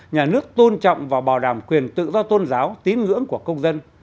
nhà nước tôn trọng và bảo đảm quyền tự do tôn giáo tín ngưỡng của công dân